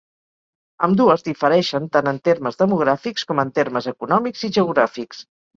Ambdues difereixen tant en termes demogràfics, com en termes econòmics i geogràfics.